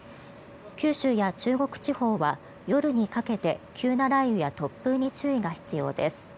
九州や中国地方は夜にかけて急な雷雨や突風に注意が必要です。